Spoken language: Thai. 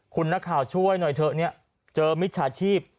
คุณนักข่าวช่วยหน่อยเถอะเนี่ยเจอมิจฉาชีพ